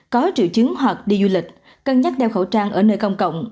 có triệu chứng hoặc đi du lịch cân nhắc đeo khẩu trang ở nơi công cộng